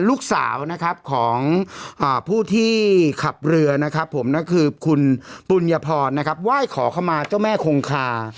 ลูกสาวขอบพูที่ขับเรือคุณปุญญพรว่าให้ขอเข้ามาเจ้าแม่คงคา